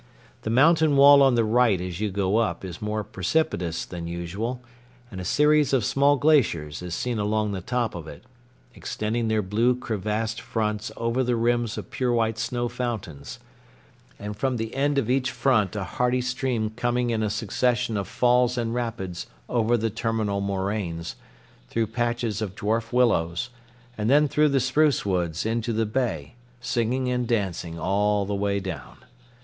The mountain wall on the right as you go up is more precipitous than usual, and a series of small glaciers is seen along the top of it, extending their blue crevassed fronts over the rims of pure white snow fountains, and from the end of each front a hearty stream coming in a succession of falls and rapids over the terminal moraines, through patches of dwarf willows, and then through the spruce woods into the bay, singing and dancing all the way down.